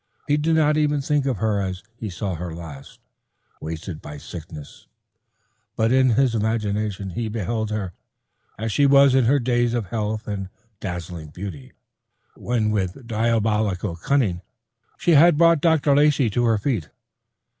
He did not even think of her as he saw her last, wasted by sickness, but in imagination he beheld her as she was in her days of health and dazzling beauty, when with diabolical cunning she had brought Dr. Lacey to her feet.